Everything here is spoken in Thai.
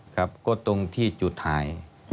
ก็ตรงที่จุดท้าย